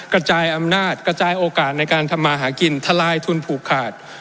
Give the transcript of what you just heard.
กระจายอำนาจกระจายโอกาสในการทำมาหากินทลายทุนผูกขาด